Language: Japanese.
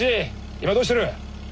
今どうしてる？